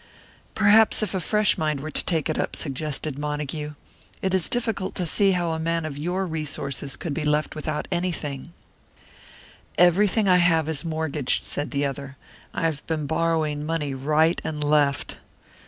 "Perhaps if a fresh mind were to take it up," suggested Montague. "It is difficult to see how a man of your resources could be left without anything " "Everything I have is mortgaged," said the other. "I have been borrowing money right and left.